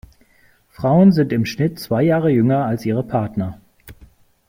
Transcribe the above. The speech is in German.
Frauen sind im Schnitt zwei Jahre jünger als ihre Partner.